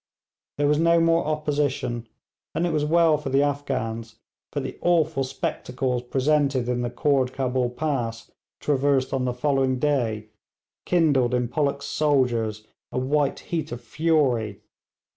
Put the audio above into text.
There was no more opposition, and it was well for the Afghans, for the awful spectacles presented in the Khoord Cabul Pass traversed on the following day, kindled in Pollock's soldiers a white heat of fury.